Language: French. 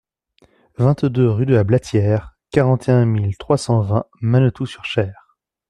vingt-deux rue de la Blatière, quarante et un mille trois cent vingt Mennetou-sur-Cher